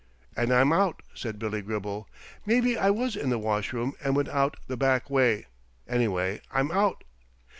"And I'm out," said Billy Gribble. "Maybe I was in the washroom and went out the back way. Anyway, I'm out.